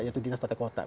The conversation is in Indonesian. yaitu dinas tata kota